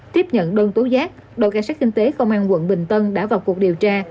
tiếp nhận đơn tố giác đội cảnh sát kinh tế công an quận bình tân đã vào cuộc điều tra